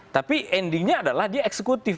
tapi endingnya adalah dia eksekutif